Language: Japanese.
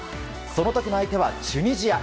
その時の相手はチュニジア。